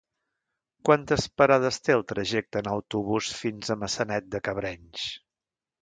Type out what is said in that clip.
Quantes parades té el trajecte en autobús fins a Maçanet de Cabrenys?